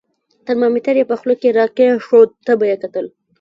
ترمامیتر یې په خوله کې را کېښود، تبه یې کتل.